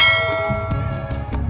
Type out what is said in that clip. gak usah banyak ngomong